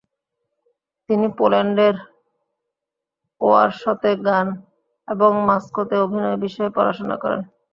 তিনি পোল্যান্ডের ওয়ারশতে গান এবং মস্কোতে অভিনয় বিষয়ে পড়াশোনা করেন।